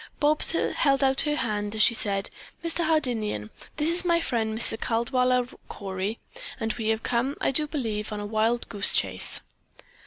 Bobs held out her hand as she said: "Mr. Hardinian, this is my friend, Mr. Caldwaller Cory, and we have come, I do believe, on a wild goose chase."